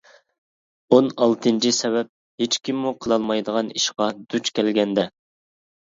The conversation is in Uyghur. ئون ئالتىنچى سەۋەب: ھېچكىممۇ قىلالمايدىغان ئىشقا دۇچ كەلگەندە.